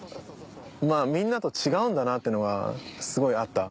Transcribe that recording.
みんなと違うんだなってのがすごいあった。